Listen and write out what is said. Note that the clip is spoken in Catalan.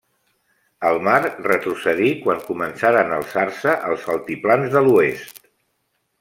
El mar retrocedí quan començaren a alçar-se els altiplans de l'oest.